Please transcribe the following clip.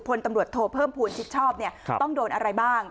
พลตำรวจโทเพิ่มภูมิชิดชอบเนี่ยต้องโดนอะไรบ้าง